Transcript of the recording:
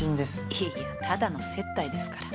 いやいやただの接待ですから